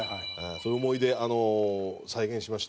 そういう思い出再現しました。